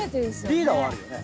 リーダーはあるよね。